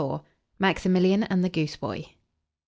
MAXIMILIAN AND THE GOOSE BOY.